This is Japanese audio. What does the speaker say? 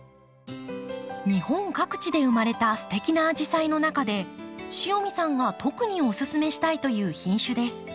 日本各地で生まれたすてきなアジサイの中で塩見さんが特にお勧めしたいという品種です。